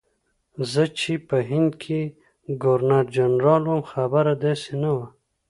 زه چې په هند کې ګورنرجنرال وم خبره داسې نه وه.